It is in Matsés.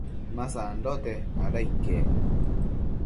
ma sandote, ada iquec